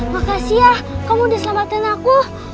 makasih ya kamu udah selamatin aku